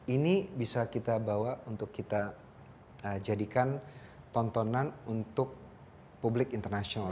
ini bisa kita bawa untuk kita jadikan tontonan untuk publik internasional